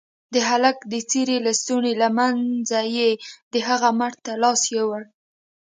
د هلك د څيرې لستوڼي له منځه يې د هغه مټ ته لاس يووړ.